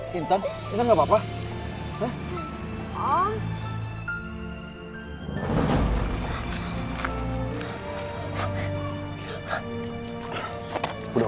tintan tintan enggak papa